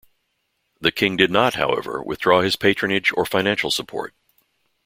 The king did not, however, withdraw his patronage or financial support.